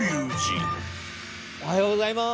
おはようございます。